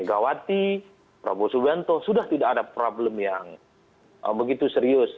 megawati prabowo subianto sudah tidak ada problem yang begitu serius